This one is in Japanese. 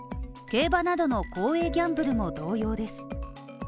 競馬などの公営ギャンブルも同様です。